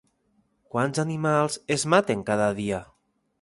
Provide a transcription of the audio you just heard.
Quants animals és maten cada dia?